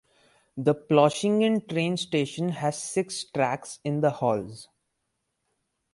The Plochingen train station has six tracks in the halls.